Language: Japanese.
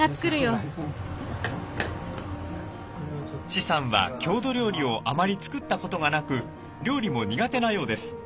施さんは郷土料理をあまり作ったことがなく料理も苦手なようです。